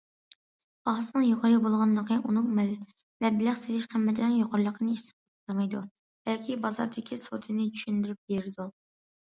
باھاسىنىڭ يۇقىرى بولغانلىقى ئۇنىڭ مەبلەغ سېلىش قىممىتىنىڭ يۇقىرىلىقىنى ئىسپاتلىمايدۇ، بەلكى بازاردىكى سودىنى چۈشەندۈرۈپ بېرىدۇ.